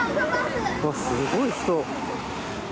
すごい人。